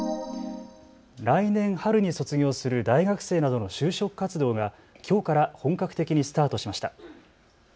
来年春に卒業する大学生などの就職活動がきょうから本格的にスタートしました。